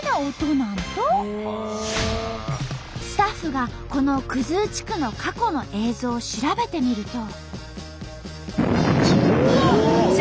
スタッフがこの生地区の過去の映像を調べてみると。